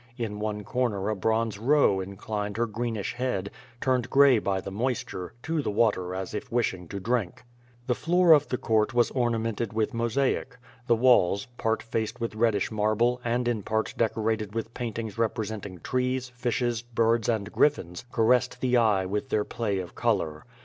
In one corner a bronze roe inclined her greenish head, turned gray by the moisture, to the water as if wishing to drink. The floor of the court was ornamented with mosaic. The walls, part faced with reddish marble, and in part deco rated with paintings representing trees, fishes, birds and griffins, caressed the eye with their play of color.